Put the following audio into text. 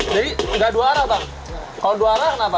jadi nggak dua arah pak kalau dua arah kenapa